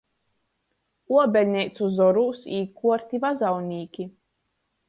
Uobeļneicu zorūs īkuorti vazaunīki.